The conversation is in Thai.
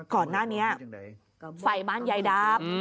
ก่อนหน้านี้ไฟบ้านยายดาบ